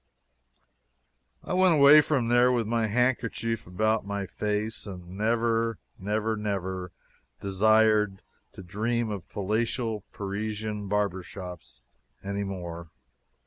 I went away from there with my handkerchief about my face, and never, never, never desired to dream of palatial Parisian barber shops anymore.